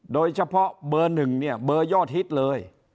โดยเฉพาะเบอร์หนึ่งเนี่ยเบอร์ยอดฮิตเลย